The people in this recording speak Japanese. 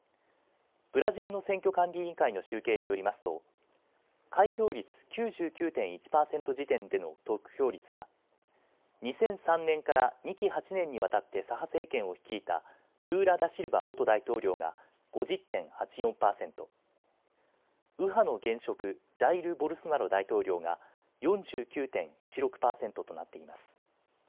ブラジルの選挙管理委員会の集計によりますと開票率９９．１％時点での得票率は２００３年から２期８年にわたって左派政権を率いたルーラ・ダシルバ元大統領が５０．８４％、右派の現職、ジャイル・ボルソナロ大統領が４９．１６％となっています。